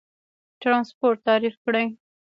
ترانسپورت تعریف کړئ.